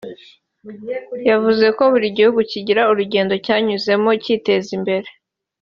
yavuze ko buri gihugu kigira urugendo cyanyuzemo cyiteza imbere